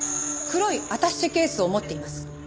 黒いアタッシェケースを持っています。